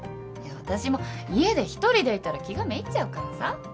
いや私も家で１人でいたら気がめいっちゃうからさ。